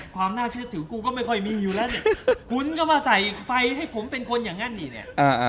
ความน่าเชื่อถือกูก็ไม่ค่อยมีอยู่แล้วเนี่ยคุณก็มาใส่ไฟให้ผมเป็นคนอย่างนั้นนี่เนี่ย